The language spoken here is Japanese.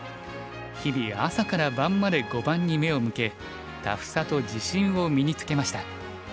日々朝から晩まで碁盤に目を向けタフさと自信を身につけました。